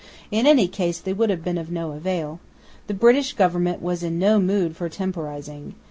In any case they would have been of no avail. The British government was in no mood for temporising.